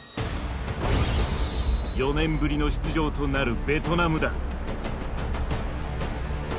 ４年ぶりの出場となるベトナムだ。